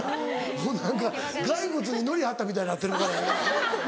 もう何か骸骨にのり張ったみたいになってるからやな。